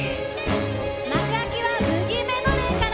幕開きはブギメドレーから！